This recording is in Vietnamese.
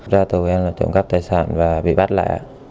ra tù em là trộm cắp tài sản và bị bắt lại